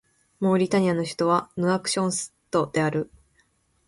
モーリタニアの首都はヌアクショットである